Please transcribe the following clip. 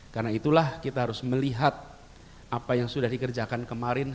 karena itulah kita harus melihat apa yang sudah dikerjakan kemarin